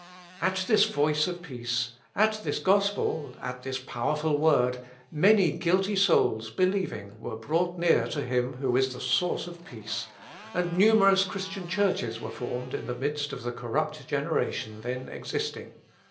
At this voice of peace at this gospel at this powerful word many guilty souls believing were brought near to Him who is the source of peace, and numerous Christian churches were formed in the midst of the corrupt generation then existing.